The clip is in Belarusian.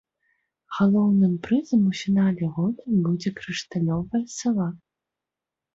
Галоўным прызам у фінале года будзе крышталёвая сава.